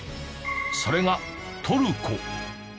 それがトルコ。